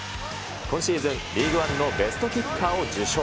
今シーズン、リーグワンのベストキッカーを受賞。